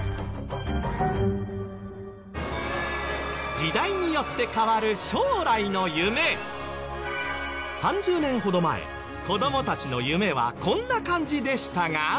時代によって変わる３０年ほど前子どもたちの夢はこんな感じでしたが。